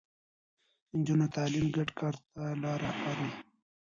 د نجونو تعليم ګډ کار ته لاره هواروي.